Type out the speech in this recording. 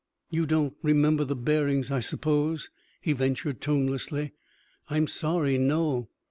"You don't remember the bearings, I suppose?" he ventured tonelessly. "I'm sorry no."